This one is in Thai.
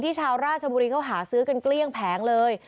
ชาวราชบุรีเขาหาซื้อกันเกลี้ยงแผงเลย